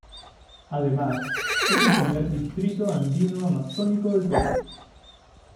Además, es el primer distrito Andino Amazónico del Perú.